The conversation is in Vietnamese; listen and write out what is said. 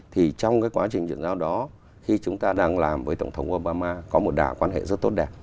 thì trong cái quá trình chuyển giao đó khi chúng ta đang làm với tổng thống obama có một đả quan hệ rất tốt đẹp